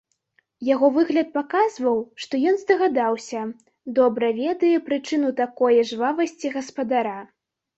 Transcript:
Яго выгляд паказваў, што ён здагадаўся, добра ведае прычыну такое жвавасці гаспадара.